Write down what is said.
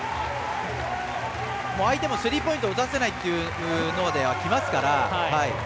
相手もスリーポイントを打たせないというのできますから。